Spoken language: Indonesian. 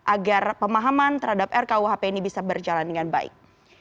agar pemahaman terhadap rkuhp ini bisa berjalan dengan baik